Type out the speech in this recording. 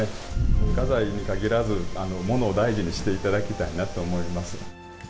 文化財に限らず、物を大事にしていただきたいなと思います。